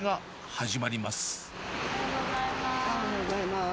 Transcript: おはようございます。